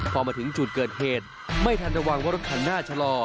พอมาถึงจุดเกิดเหตุไม่ทันระวังว่ารถคันหน้าชะลอ